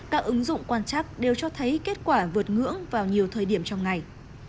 các ứng dụng quan chắc đều cho thấy kết quả vượt ngưỡng vào nhiều thời điểm trong ngày